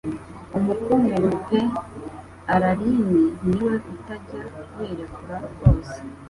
Umukungugu pe Allayne niwe utajya wirekura rwose